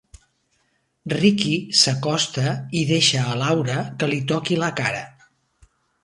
Ricky s'acosta i deixa a Laura que li toqui la cara.